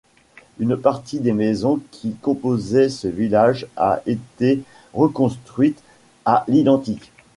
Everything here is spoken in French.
Une partie des maisons qui composaient ce village a été reconstruite à l'indentique.